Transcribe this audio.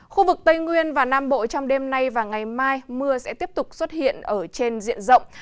khu vực tây nguyên và nam bộ trong đêm nay và ngày mai mưa sẽ tiếp tục xuất hiện ở trên diện rộng